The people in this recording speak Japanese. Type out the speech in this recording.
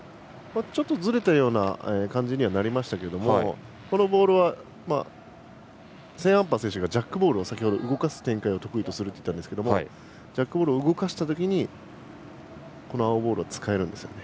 ちょっとずれたような感じにはなりましたがこのボールはセーンアンパー選手が先ほどジャックボールを動かす展開を得意とすると言ったんですがジャックボールを動かしたときにこの青ボールが使えるんですね。